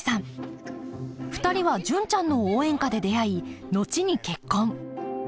２人は「純ちゃんの応援歌」で出会い後に結婚